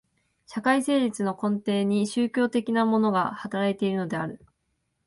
社会成立の根底に宗教的なるものが働いているのである。